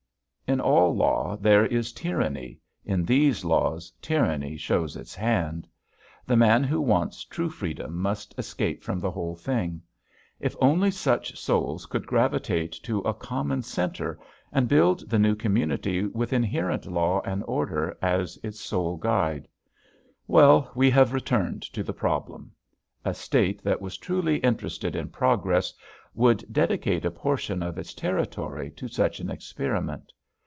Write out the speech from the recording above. In all law there is tyranny, in these laws tyranny shows its hand. The man who wants true freedom must escape from the whole thing. If only such souls could gravitate to a common center and build the new community with inherent law and order as its sole guide! well, we have returned to the problem. A state that was truly interested in progress would dedicate a portion of its territory to such an experiment.